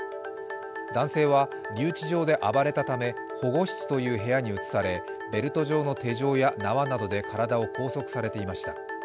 男性は留置場で暴れたため保護室という部屋に移されベルト状の手錠や縄などで体を拘束されていました。